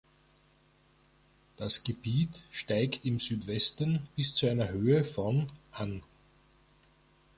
Das Gebiet steigt im Südwesten bis zu einer Höhe von an.